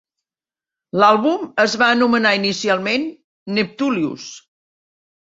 L'àlbum es va anomenar inicialment "Neptulius".